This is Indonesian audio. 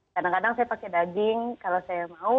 kadang kadang saya pakai daging kalau saya mau